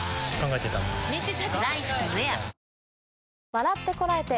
『笑ってコラえて！』